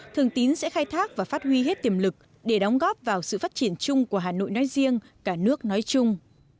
thường tín sẽ khai thác và phát huy hết tiềm lực để đóng góp vào sự phát triển chung của hà nội nói riêng cả nước nói chung